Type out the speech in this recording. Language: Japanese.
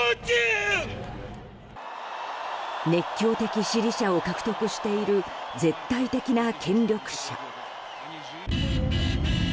熱狂的支持者を獲得している絶対的な権力者。